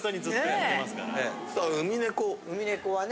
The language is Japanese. ウミネコはね。